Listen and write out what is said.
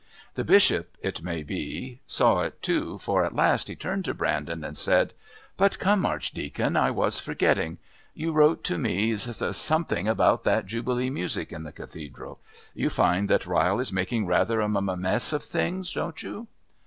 The Bishop, it may be, saw it too, for at last he turned to Brandon and said: "But come, Archdeacon. I was forgetting. You wrote to me s something about that Jubilee music in the Cathedral. You find that Ryle is making rather a m mess of things, don't you?"